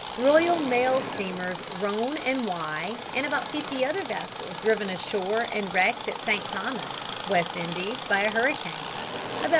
Royal Mail steamers Rhone and Wye and about fifty other vessels driven ashore and wrecked at St Thomas, West Indies, by a hurricane; about 1,000 lives lost.